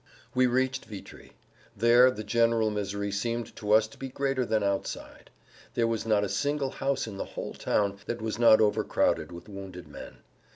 We reached Vitry. There the general misery seemed to us to be greater than outside. There was not a single house in the whole town that was not overcrowded with wounded men.